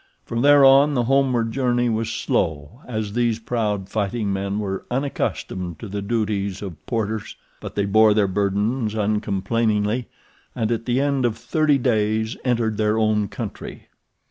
From there on the homeward journey was slow, as these proud fighting men were unaccustomed to the duties of porters. But they bore their burdens uncomplainingly, and at the end of thirty days entered their own country.